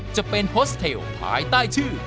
จะเป็นโฮสเทลภายใต้ชื่อ